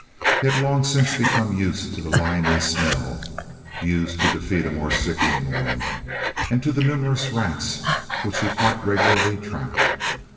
He had long since become used to the limy smell (used to defeat a more sickening one), and to the numerous rats which he quite regularly trapped.